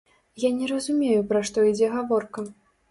Я не разумею, пра што ідзе гаворка.